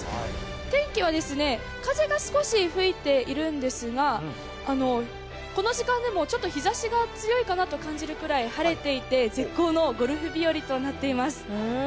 天気は、風が少し吹いているんですが、この時間でもちょっと日ざしが強いかなと感じるくらい晴れていて、絶好のゴルフ日和となっています。